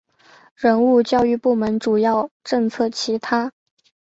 人物教育部门主要政策其他